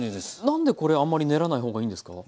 何でこれあんまり練らない方がいいんですか？